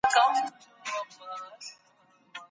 ایمان د بنده په زړه کي د امید رڼا خپروي.